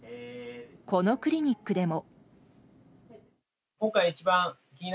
このクリニックでも。